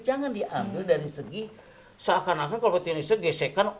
jangan diambil dari segi seakan akan kalau politik identitas itu gesekan